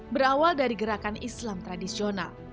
berawal dari gerakan islam tradisional